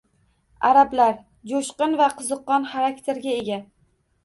Arablar: joʻshqin va qiziqqon xarakterga ega.